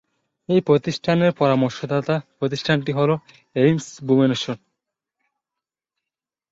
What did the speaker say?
এই প্রতিষ্ঠানের পরামর্শদাতা প্রতিষ্ঠানটি হল এইমস ভুবনেশ্বর।